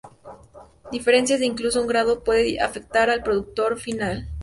Diferencias de incluso un grado pueden afectar al producto final.